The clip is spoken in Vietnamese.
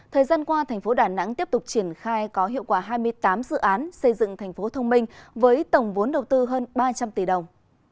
thời gian qua thành phố đà nẵng tiếp tục triển khai có hiệu quả hai mươi tám dự án xây dựng thành phố thông minh với tổng vốn đầu tư hơn ba trăm linh tỷ đồng